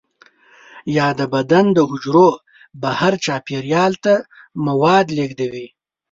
یا د بدن د حجرو بهر چاپیریال ته مواد لیږدوي.